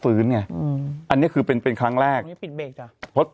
ฟื้นไงอืมอันนี้คือเป็นเป็นครั้งแรกอันนี้ปิดเบรคเพราะ